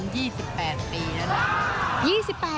๒๘ปีแล้วนะ